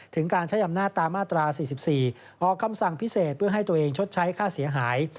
การใช้อำนาจตามมาตรา๔๔ออกคำสั่งพิเศษเพื่อให้ตัวเองชดใช้ค่าเสียหาย